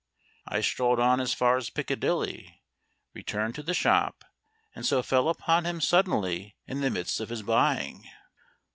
I strolled on as far as Piccadilly, returned to the shop, and so fell upon him suddenly in the midst of his buying.